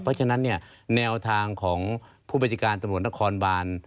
เพราะฉะนั้นเนี่ยแนวทางของผู้บัญชาการตำรวจนครบาน